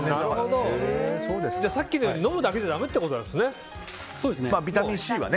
さっきのように飲むだけじゃだめってことですね。